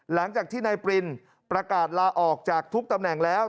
หลังจากที่นายปรินประกาศลาออกจากทุกตำแหน่งแล้ว